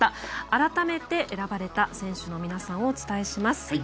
改めて、選ばれた選手の皆さんをお伝えします。